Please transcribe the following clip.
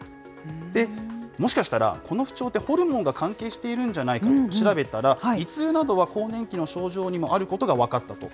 もしかしたらこの不調って、ホルモンが関係しているんじゃないかと調べたら、胃痛などは更年期の症状にもあることが分かったと。